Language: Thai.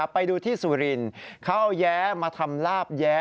ไปดูที่สุรินทร์เขาเอาแย้มาทำลาบแย้